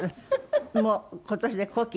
もう今年で古希？